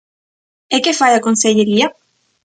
¿E que fai a Consellería?